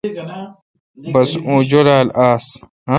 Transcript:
بس اوں جولال آس